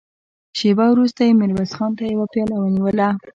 شېبه وروسته يې ميرويس خان ته يوه پياله ونيوله.